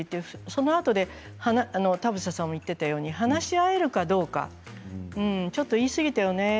そのあとで田房さんも言っていたように話し合えるかどうかちょっと言いすぎたよね。